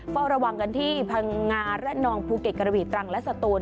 เฝ้าระวังกันที่พังงาระนองภูเก็ตกระบีตรังและสตูน